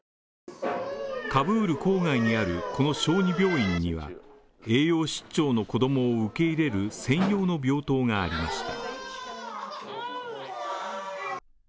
カブール郊外にあるこの小児病院には栄養失調の子供を受け入れる専用の病棟がありました。